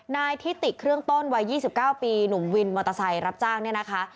นายที่ติดเครื่องต้นวัยยี่สิบเก้าปีนุงวินมอเตอร์ไซส์รับจ้างเนี้ยนะคะ